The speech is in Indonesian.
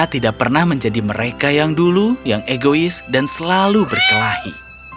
tidak pernah menjadi mereka yang dulu yang egois dan selalu berkelahi